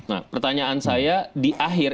nah pertanyaan saya di akhir